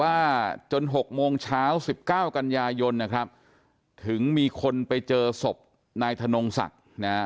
ว่าจน๖โมงเช้า๑๙กันยายนถึงมีคนไปเจอศพนายธนงศักดิ์